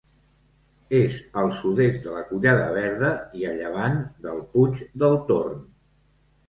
És al sud-est de la Collada Verda i a llevant del Puig del Torn.